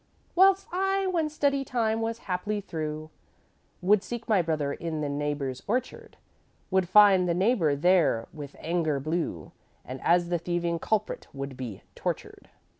"'Whilst I, when study time was haply through, Would seek my brother in the neighbor's orchard; Would find the neighbor there with anger blue, And as the thieving culprit would be tortured.